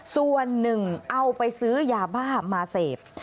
ส่วนหนึ่งเอาไปซื้อยาบ้ามาเสพ